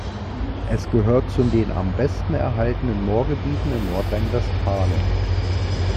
Es gehört zu den am besten erhaltenen Moorgebieten in Nordrhein-Westfalen.